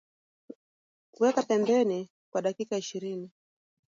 Weka pembeni kwa dakika ishirini